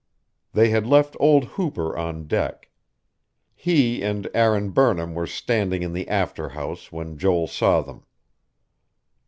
They had left old Hooper on deck. He and Aaron Burnham were standing in the after house when Joel saw them.